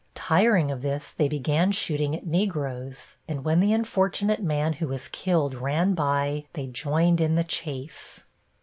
Tiring of this, they began shooting at Negroes, and when the unfortunate man who was killed ran by they joined in the chase.